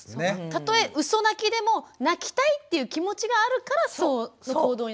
たとえうそ泣きでも泣きたいっていう気持ちがあるからそういう行動になると？